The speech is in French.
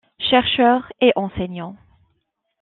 Chercheur et enseignant,